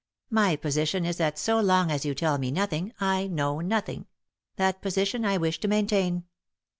My position is that so long as you tell me nothing, I know nothing ; that position I wish to maintain.